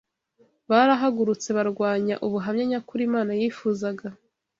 Barahagurutse barwanya ubuhamya nyakuri Imana yifuzaga